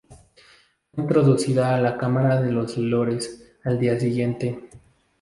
Fue introducida a la Cámara de los Lores al día siguiente.